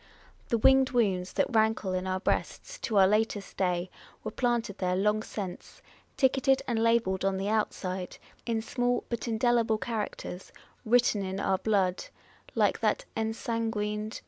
The "winged wounds" that rankle in our breasts to our latest day, were planted there long since, ticketed and labelled on the outside in small but indelible cha racters, written in our blood, " like that ensanguined 328 On Personal Characfer.